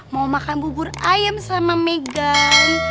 mau makan bubur ayam sama megan